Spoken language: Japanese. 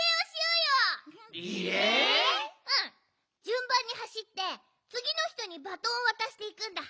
じゅんばんにはしってつぎのひとにバトンをわたしていくんだ。